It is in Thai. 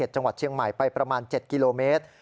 จังหวัดเชียงใหม่ไปประมาณ๗กิโลเมตร